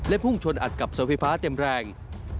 และพุ่งชนอัดกับสวิภาเต็มแรง